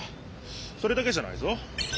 それだけじゃないぞ。